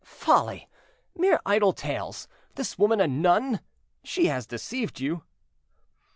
"Folly!—mere idle tales! This woman a nun! She has deceived you."